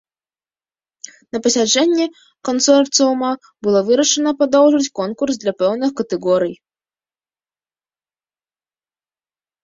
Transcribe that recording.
На пасяджэнні кансорцыума было вырашана падоўжыць конкурс для пэўных катэгорый.